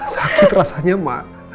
sakit rasanya mak